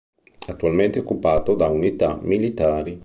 Attualmente è occupato da unità militari.